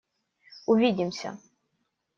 Увидимся!